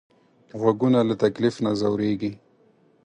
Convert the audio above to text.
غوږونه له تکلیف نه ځورېږي